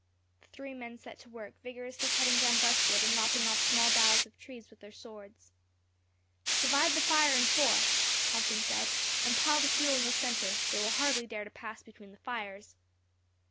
The three men set to work, vigorously cutting down brushwood and lopping off small boughs of trees with their swords. "Divide the fire in four," Halcon said, "and pile the fuel in the centre; they will hardly dare to pass between the fires."